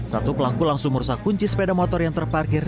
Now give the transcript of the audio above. satu pelaku langsung merusak kunci sepeda motor yang terparkir